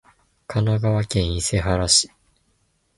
神奈川県伊勢原市